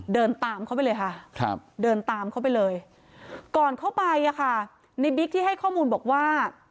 เดินตามเขาไปเลยค่ะเดินตามเขาไปเลยก่อนเข้าไปในบิ๊กที่ให้ข้อมูลบอกว่า